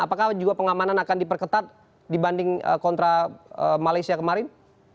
apakah juga pengamanan akan diperketat dibanding kontra malaysia kemarin